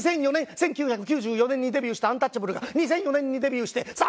１９９４年にデビューしたアンタッチャブルが２００４年にデビューしてさあ